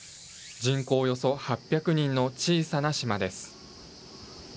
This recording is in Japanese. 人口およそ８００人の小さな島です。